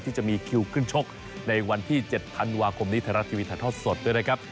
จะมีคิวขึ้นชกในวันที่๗ธันวาคมนี้ไทยรัฐทีวีถ่ายทอดสดด้วยนะครับ